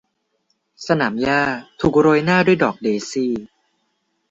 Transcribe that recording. สนามหญ้าถูกโรยหน้าด้วยดอกเดซี่